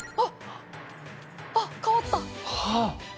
あ変わった！